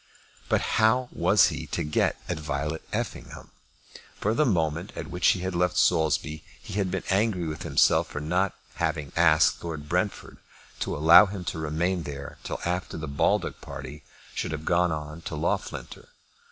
But how was he to get at Violet Effingham? From the moment at which he had left Saulsby he had been angry with himself for not having asked Lord Brentford to allow him to remain there till after the Baldock party should have gone on to Loughlinter.